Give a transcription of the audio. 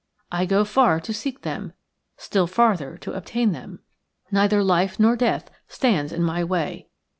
I go far to seek them, still farther to obtain them. Neither life nor death stands in my way.